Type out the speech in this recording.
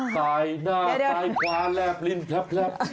ตายหน้าตายขวาแลบลิ้นแพลบ